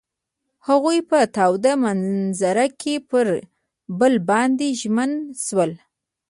هغوی په تاوده منظر کې پر بل باندې ژمن شول.